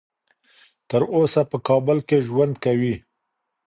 تر اوسه په کابل کې ژوند کوي.